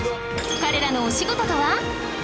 彼らのお仕事とは？